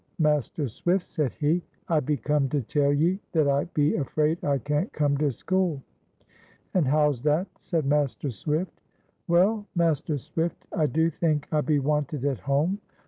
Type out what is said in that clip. "Master Swift," said he, "I be come to tell ye that I be afraid I can't come to school." "And how's that?" said Master Swift. "Well, Master Swift, I do think I be wanted at home.